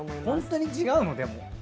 本当に違うの？